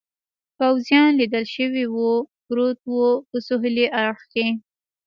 پوځیان لیدل شوي و، پروت و، په سهېلي اړخ کې.